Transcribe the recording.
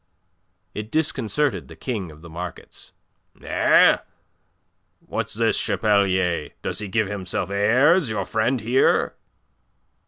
It disconcerted the king of the markets. "Eh? what's this, Chapelier? Does he give himself airs, your friend here?"